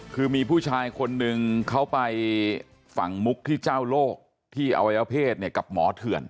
คือมีผู้ชายคนนึงเขาไปฝั่งมุกที่เจ้าโลกที่อวัยวเพศกับหมอเถื่อน